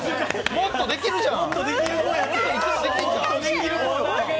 もっとできるじゃん。